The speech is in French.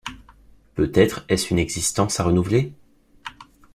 Peut-être est-ce une existence à renouveler?